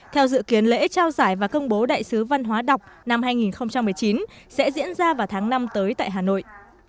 theo dự kiến lễ trao giải và công bố đại sứ văn hóa đọc năm hai nghìn một mươi chín sẽ diễn ra vào tháng năm tới tại hà nội